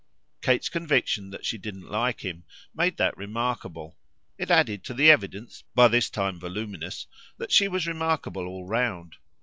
Kate's conviction that she didn't like him made that remarkable; it added to the evidence, by this time voluminous, that she was remarkable all round.